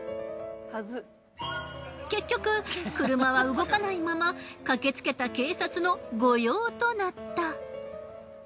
結局車は動かないまま駆け付けた警察の御用となった。